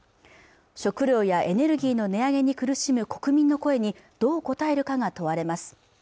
食料やエネルギーの値上げに苦しむ国民の声にどう応えるかが問われます